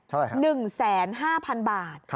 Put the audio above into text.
เท่าไหร่ครับครับ๑๐๕๐๐๐บาท